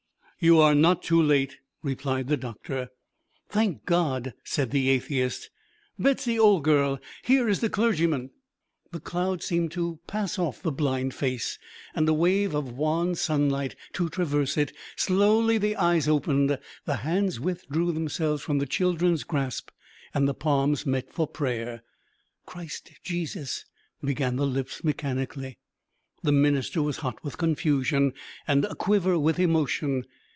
"You are not too late," replied the doctor. "Thank God!" said the atheist. "Betsy, old girl, here is the clergyman." The cloud seemed to pass off the blind face, and a wave of wan sunlight to traverse it; slowly the eyes opened, the hands withdrew themselves from the children's grasp, and the palms met for prayer. "Christ Jesus " began the lips mechanically. The minister was hot with confusion and a quiver with emotion.